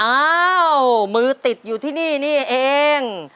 อ้าวมือติดอยู่ที่นี่นี่เอง